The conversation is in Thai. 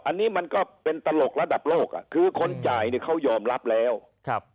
อันนี้มันก็เป็นตลกระดับโลกอ่ะคือคนจ่ายเนี่ยเขายอมรับแล้วครับ